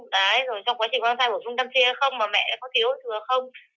đấy rồi trong quá trình mang thai bổ sung tâm trí hay không mà mẹ có thiếu sửa không